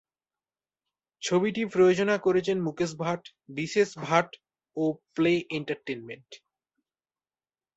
ছবিটি প্রযোজনা করেছেন মুকেশ ভাট, বিশেষ ভাট ও প্লে এন্টারটেইনমেন্ট।